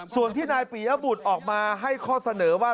ส่วนที่นายปียบุตรออกมาให้ข้อเสนอว่า